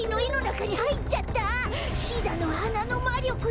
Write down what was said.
シダのはなのまりょくで。